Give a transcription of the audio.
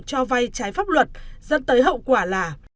cho vay trái pháp luật dẫn tới hậu quả là